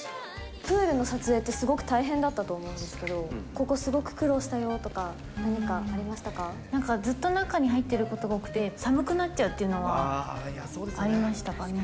プールの撮影ってすごく大変だったと思うんですけど、ここすごく、苦労したよとか、何かありなんかずっと中に入ってることが多くて、寒くなっちゃうっていうのはありましたかね。